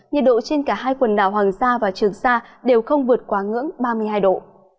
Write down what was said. nhiệt độ trên cả hai quần đảo hoàng sa và trường sa đều không vượt quá ngưỡng ba mươi hai độ